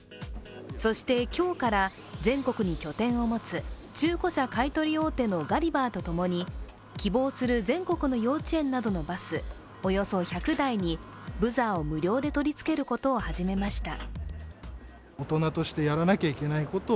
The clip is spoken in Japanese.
そして今日から全国に拠点を持つ中古車買い取り大手のガリバーとともに希望する全国の幼稚園のバス、およそ１００台にブザーを無料で取り付けることを始めました。